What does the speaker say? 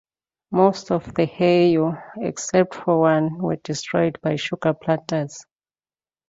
Most of the heiau, except for one, were destroyed by sugar planters.